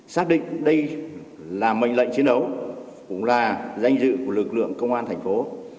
xác định đây là mệnh lệnh chiến đấu cũng là danh dự của lực lượng công an thành phố